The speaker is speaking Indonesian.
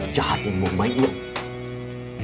jahat tunggu bayi itu